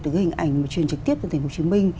những hình ảnh truyền trực tiếp từ tp hcm